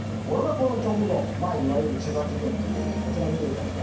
この直後いわゆる千葉事件が起きた。